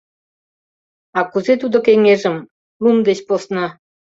— А кузе тудо кеҥежым... лум деч посна?..